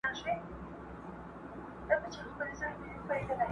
چي دا ستا معاش نو ولي نه ډيريږي